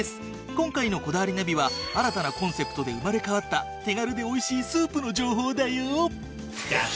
今回の『こだわりナビ』は新たなコンセプトで生まれ変わった手軽で美味しいスープの情報だよ！